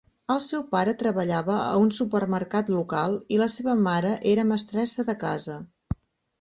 El seu pare treballava a un supermercat local i la seva mare era mestressa de casa.